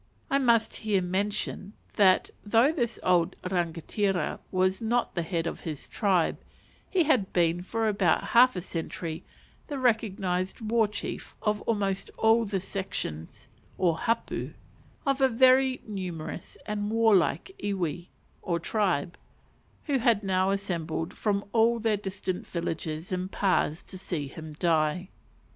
I must here mention that, though this old rangatira was not the head of his tribe, he had been for about half a century the recognized war chief of almost all the sections, or hapu, of a very numerous and warlike iwi, or tribe, who had now assembled from all their distant villages and pas to see him die.